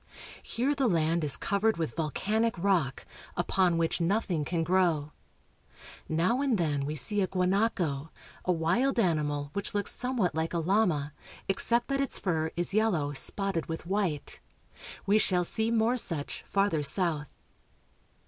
Here the land is covered with volcanic rock, upon which nothing can grow. Now and then we see a gua naco, a wild animal which looks somewhat like a llama, except that its fur is yellow spotted with white. We shall see more such farther south.